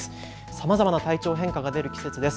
さまざまな体調の変化が出る季節です。